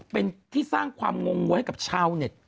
เป็นที่สร้างความงงงวัวให้กับชาวเน็ต